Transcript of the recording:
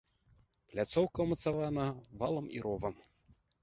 Пляцоўка ўмацавана валам і ровам.